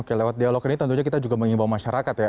oke lewat dialog ini tentunya kita juga mengimbau masyarakat ya